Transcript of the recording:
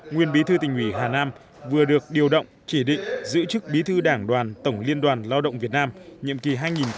nguyên bí thư tỉnh ủy hà nam vừa được điều động chỉ định giữ chức bí thư đảng đoàn tổng liên đoàn lao động việt nam nhiệm kỳ hai nghìn một mươi tám hai nghìn hai mươi ba